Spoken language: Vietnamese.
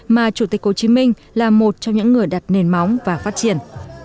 mà chủ tịch hồ chí minh là một trong những người đặt nền móng và phát triển